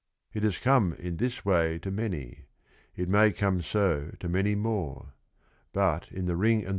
It has come in this way to many; it may come so to many more. But in The Rin g and fh